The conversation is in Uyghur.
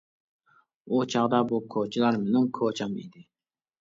ئۇ چاغدا بۇ كوچىلار مېنىڭ كوچام ئىدى.